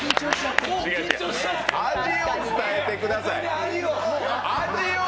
味を伝えてください。